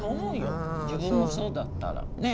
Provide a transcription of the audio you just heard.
自分もそうだったらねえ。